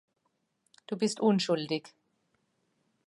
Du bist unschuldig.